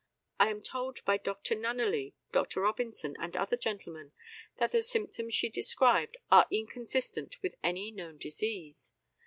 I am told by Dr. Nunneley, Dr. Robinson, and other gentlemen, that the symptoms she described are inconsistent with any known disease.